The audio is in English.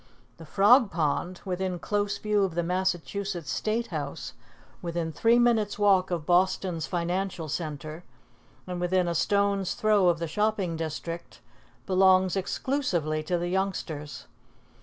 The Frog Pond, within close view of the Massachusetts State House, within three minutes' walk of Boston's financial center, and within a stone's throw of the shopping district, belongs exclusively to the youngsters.